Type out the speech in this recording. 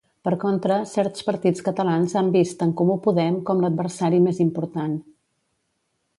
Per contra, certs partits catalans han vist En Comú Podem com l'adversari més important.